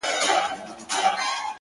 ما درمل راوړه ما په سونډو باندې ووهله!